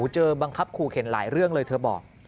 เจอบังคับขู่เข็นหลายเรื่องเลยเธอบอก